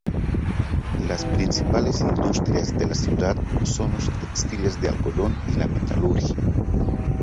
Las principales industrias de la ciudad son los textiles de algodón y la metalurgia.